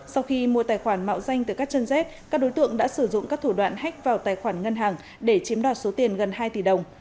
sau khi mua tài khoản mạo danh từ các chân dết các đối tượng đã sử dụng các thủ đoạn hách vào tài khoản ngân hàng để chiếm đoạt số tiền gần hai tỷ đồng